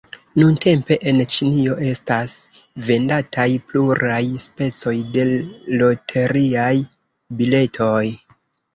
Nuntempe en Ĉinio estas vendataj pluraj specoj de loteriaj biletoj.